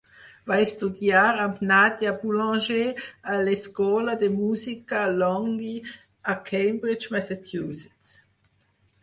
Va estudiar amb Nadia Boulanger a l'Escola de Música Longy a Cambridge, Massachusetts.